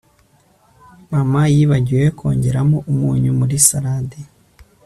Mama yibagiwe kongeramo umunyu muri salade